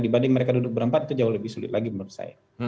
dibanding mereka duduk berempat itu jauh lebih sulit lagi menurut saya